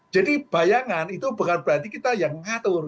jadi bayangan itu bukan berarti kita yang mengatur